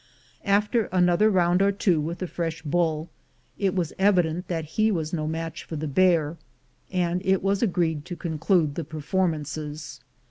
After another round or two with the fresh bull, it was evident that he was no match for the bear, and it was agreed to conclude the performances.